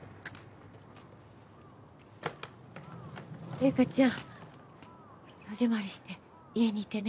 零花ちゃん戸締まりして家にいてね。